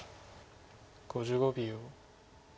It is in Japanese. ５５秒。